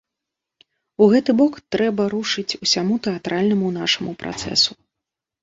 У гэты бок трэба рушыць усяму тэатральнаму нашаму працэсу.